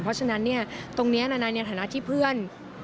เพราะฉะนั้นเนี่ยตรงนี้นายในฐานะที่เพื่อน